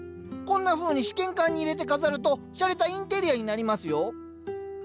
こんなふうに試験管に入れて飾るとしゃれたインテリアになりますよ。